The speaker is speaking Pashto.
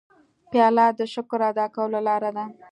پیاله د شکر ادا کولو لاره ده.